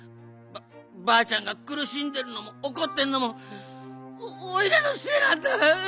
ばあちゃんがくるしんでるのもおこってるのもおいらのせいなんだ！